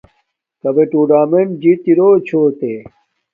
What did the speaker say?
کبݺ ٹݸنݳمنٹَکݳ جݵت اِرݸ چھݸتݺ؟